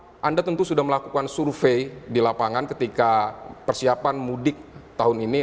apakah anda tentu sudah melakukan survei di lapangan ketika persiapan mudik tahun ini